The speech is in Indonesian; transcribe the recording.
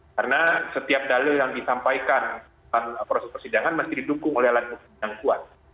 karena setiap dalil yang disampaikan dalam proses persidangan masih didukung oleh alat bukti yang kuat